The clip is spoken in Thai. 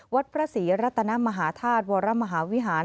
วัดพระศรีรัตนมหาธาตุวรมหาวิหาร